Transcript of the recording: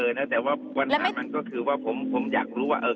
ไม่เจอนะแต่ว่าวันหน้ามันก็คือว่าผมผมอยากรู้ว่าเออ